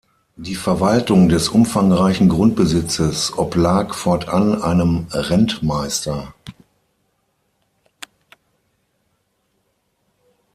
Die Verwaltung des umfangreichen Grundbesitzes oblag fortan einem Rentmeister.